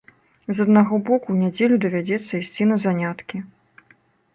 З аднаго боку, у нядзелю давядзецца ісці на заняткі.